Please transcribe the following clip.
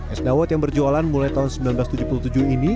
es dawet yang berjualan mulai tahun seribu sembilan ratus tujuh puluh tujuh ini